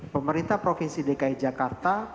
pemerintah provinsi dki jakarta